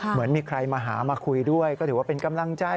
เหมือนมีใครมาหามาคุยด้วยก็ถือว่าเป็นกำลังใจ